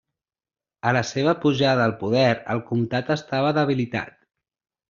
A la seva pujada al poder el comtat estava debilitat.